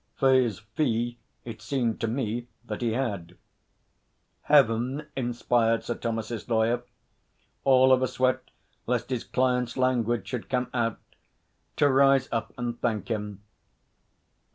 For his fee it seemed to me that he had. Heaven inspired Sir Thomas's lawyer all of a sweat lest his client's language should come out to rise up and thank him.